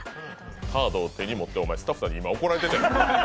カードを手に持って、今、お前スタッフさんに怒られてるやん。